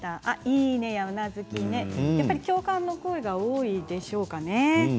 いいね、や、うなずき共感の声が多いでしょうかね。